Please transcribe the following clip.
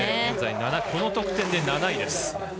現在この得点で７位です。